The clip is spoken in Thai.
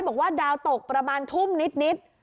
บอกว่าดาวตกประมาณทุ่มนิด